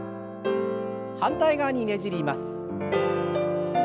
反対側にねじります。